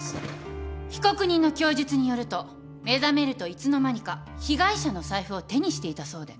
被告人の供述によると目覚めるといつの間にか被害者の財布を手にしていたそうで。